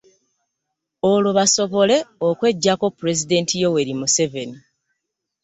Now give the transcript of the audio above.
Olwo basobole okweggyako Pulezidenti Yoweri Museveni.